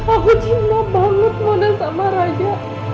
aku cinta banget mana sama raja